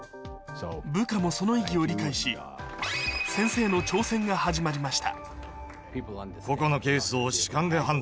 部下もその意義を理解しが始まりました